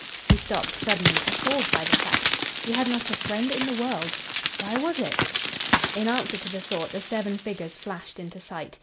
He stopped suddenly, appalled by the fact. He had not a friend in the world! Why was it? In answer to the thought the seven figures flashed into sight.